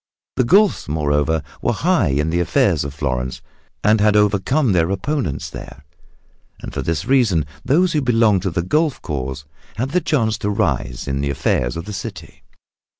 The Guelfs, moreover, were high in the affairs of Florence and had overcome their opponents there. And for this reason those who belonged to the Guelf cause had the chance to rise in the affairs of the city.